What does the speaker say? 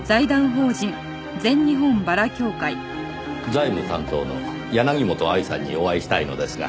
財務担当の柳本愛さんにお会いしたいのですが。